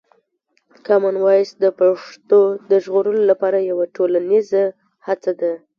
کامن وایس د پښتو د ژغورلو لپاره یوه ټولنیزه هڅه ده.